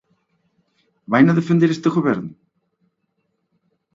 ¿Vaina defender este goberno?